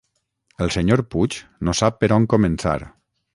El senyor Puig no sap per on començar.